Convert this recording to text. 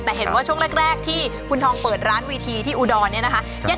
แต่เห็นว่าช่วงแรกที่คุณทองเปิดร้านวีทีที่อุดรเนี่ยนะคะ